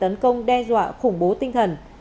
tấn công đe dọa khủng bố tinh thần